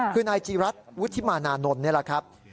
คือนายจีรัฐวุฒิมานานนท์นี่แหละครับ